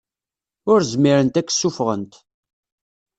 Ur zmirent ad k-ssufɣent.